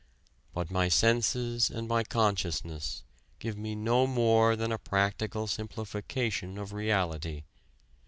(But) my senses and my consciousness ... give me no more than a practical simplification of reality